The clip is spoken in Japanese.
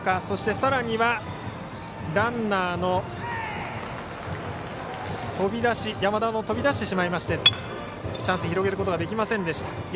そして、さらにはランナーの飛び出し山田が飛び出してしまいチャンス広げることができませんでした。